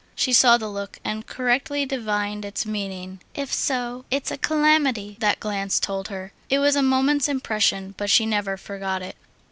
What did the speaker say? She saw the look and correctly divined its meaning. "If so, it's a calamity!" that glance told her. It was a moment's impression, but she never forgot it.